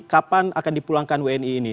kapan akan dipulangkan wni ini